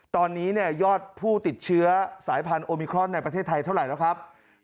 ตอนนี้ยอดผู้ติดเชื้อสายพันธุมิครอนในประเทศไทยเท่าไหร่แล้วครับ